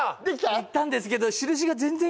いったんですけど。